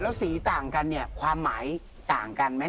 แล้วสีต่างกันเนี่ยความหมายต่างกันไหม